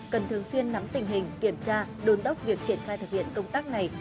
cần thường xuyên nắm tình hình kiểm tra đồn đốc việc triển khai thực hiện công tác này